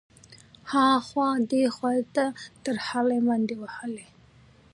ها خوا دې خوا يې ترهېدلې منډې وهلې.